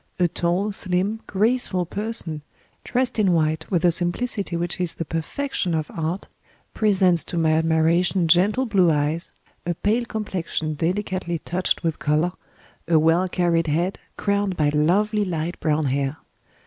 A tall slim graceful person, dressed in white with a simplicity which is the perfection of art, presents to my admiration gentle blue eyes, a pale complexion delicately touched with color, a well carried head crowned by lovely light brown hair.